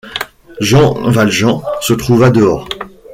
Jean Valjean se trouva dehors.